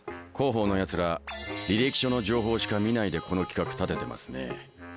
広報のやつら履歴書の情報しか見ないでこの企画立ててますね。